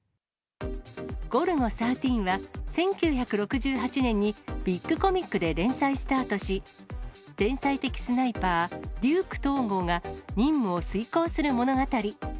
ゴルゴ１３は、１９６８年にビッグコミックで連載スタートし、天才的スナイパー、デューク・東郷が任務を遂行する物語。